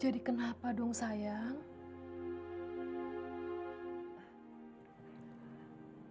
jadi kenapa dong sayang